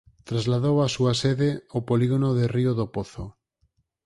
Trasladou a súa sede ao polígono de Río do Pozo.